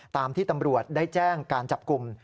ตามที่ตำรวจได้แจ้งการจับกลุ่ม